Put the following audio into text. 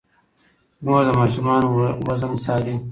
مور د ماشومانو وزن څاري.